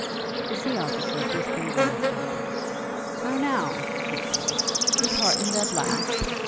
The sea officer briskly advanced to her. 'How now!' he cried, 'disheartened at last?